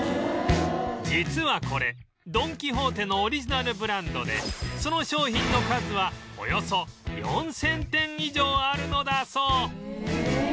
実はこれドン・キホーテのオリジナルブランドでその商品の数はおよそ４０００点以上あるのだそう